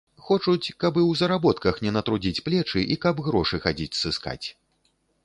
Хочуць, каб і ў заработках не натрудзіць плечы і каб грошы хадзіць сыскаць.